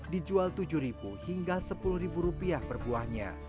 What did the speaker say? dijual rp tujuh hingga rp sepuluh per buahnya